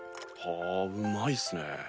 はぁうまいっすね。